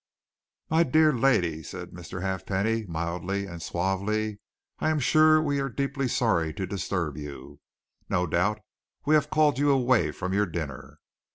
"My dear lady!" said Mr. Halfpenny, mildly and suavely. "I am sure we are deeply sorry to disturb you no doubt we have called you away from your dinner.